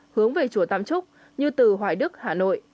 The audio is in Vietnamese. hướng về chùa tam trúc như từ hoài đức hà nội